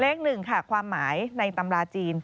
เลข๑ค่ะความหมายในตำราจีน